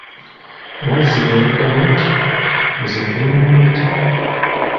Wazzike yadamu nti, nze mbeera mu miti.